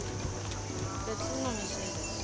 別の店ですけど。